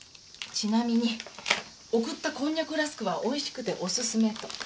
ちなみに送ったこんにゃくラスクはおいしくてお薦めと。